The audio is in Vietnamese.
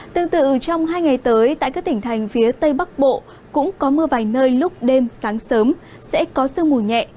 tương tự trong hai ngày tới tại các tỉnh thành phía tây bắc bộ cũng có mưa vài nơi lúc đêm sáng sớm sẽ có sương mù nhẹ